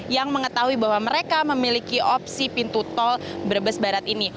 yang mengetahui bahwa mereka memiliki opsi pintu tol brebes barat ini